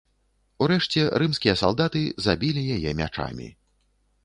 Урэшце, рымскія салдаты забілі яе мячамі.